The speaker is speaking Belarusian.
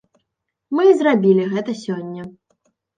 Мы і зрабілі гэта сёння.